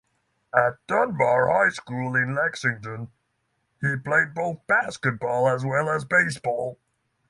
At Dunbar High School in Lexington, he played both basketball as well as baseball.